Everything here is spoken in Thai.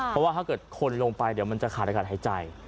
เพราะว่าถ้าเกิดคนลงไปเดี๋ยวมันจะขาดอากาศหายใจ